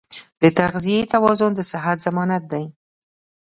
د تغذیې توازن د صحت ضمانت دی.